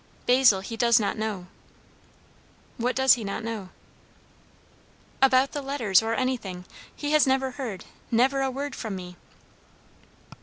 "Basil he does not know." "What does he not know?" "About the letters or anything. He has never heard never a word from me."